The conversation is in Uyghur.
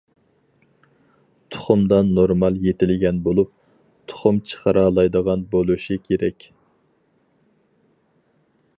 تۇخۇمدان نورمال يېتىلگەن بولۇپ، تۇخۇم چىقىرالايدىغان بولۇشى كېرەك.